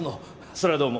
それはどうも。